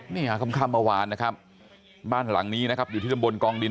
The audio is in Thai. ค่ำเมื่อวานนะครับบ้านหลังนี้นะครับอยู่ที่ตำบลกองดิน